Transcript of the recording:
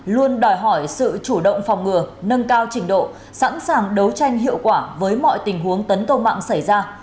luôn đòi hỏi sự chủ động phòng ngừa nâng cao trình độ sẵn sàng đấu tranh hiệu quả với mọi tình huống tấn công mạng xảy ra